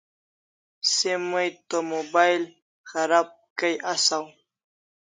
Se may to mobile kharab kay asaw